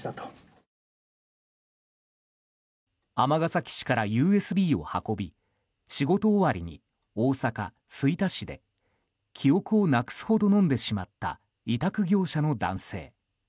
尼崎市からＵＳＢを運び仕事終わりに大阪・吹田市で記憶をなくすほど飲んでしまった委託業者の男性。